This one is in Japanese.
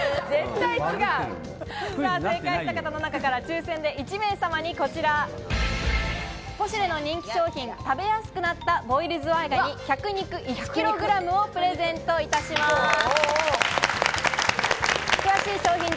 正解した方の中から抽選で１名様にこちら、ポシュレの人気商品、「食べやすくなったボイルズワイガニ脚肉１ｋｇ」をプレゼントいたします。